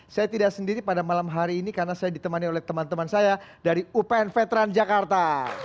saya tidak sendiri pada malam hari ini karena saya ditemani oleh teman teman saya dari upn veteran jakarta